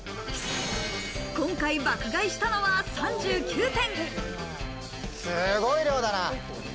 今回、爆買いしたのは３９点。